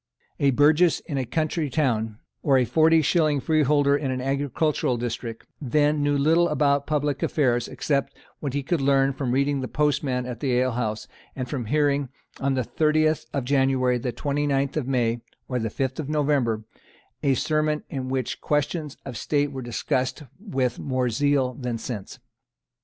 A burgess in a country town, or a forty shilling freeholder in an agricultural district, then knew little about public affairs except what he could learn from reading the Postman at the alehouse, and from hearing, on the 30th of January, the 29th of May or the 5th of November, a sermon in which questions of state were discussed with more zeal than sense.